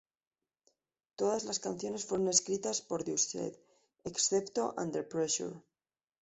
Todas las canciones fueron escritas por The Used, excepto Under Pressure.